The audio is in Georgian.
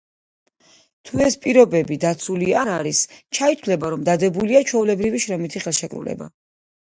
თუ ეს პირობები დაცული არ არის, ჩაითვლება, რომ დადებულია ჩვეულებრივი შრომითი ხელშეკრულება.